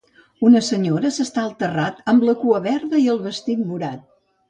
Una senyora s'està al terrat amb la cua verda i el vestit morat.